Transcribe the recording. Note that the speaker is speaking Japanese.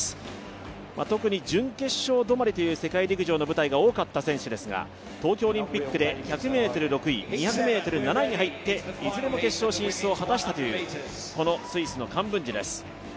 特に準決勝止まりという世界陸上の舞台が多かった選手ですが東京オリンピックで１００ｍ６位、２００ｍ７位に入って、いずれも決勝進出を果たしたというこのスイスのカンブンジです。